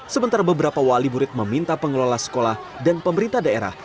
sementara beberapa wali murid meminta pengelola sekolah dan pemerintah daerah